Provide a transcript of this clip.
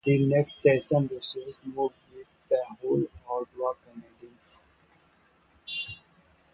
The next season, Rousseau moved on with the Hull-Ottawa Canadiens.